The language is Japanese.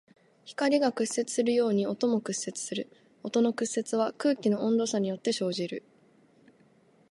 光が屈折するように音も屈折する。音の屈折は空気の温度差によって生じる。